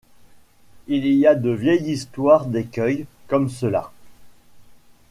Il y a de vieilles histoires d’écueils comme cela.